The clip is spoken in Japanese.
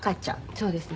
「そうですね」